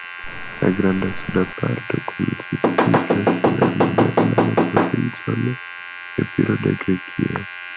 La granda suda parto konsistigas la modernan provincon Epiro de Grekio.